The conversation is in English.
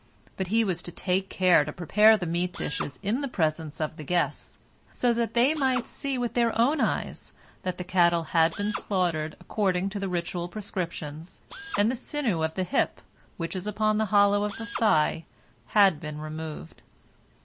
But he was to take care to prepare the meat dishes in the presence of the guests, so that they might see with their own eyes that the cattle had been slaughtered according to the ritual prescriptions, and the sinew of the hip which is upon the hollow of the thigh had been removed.